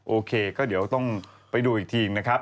โอเคก็เดี๋ยวต้องไปดูอีกทีนะครับ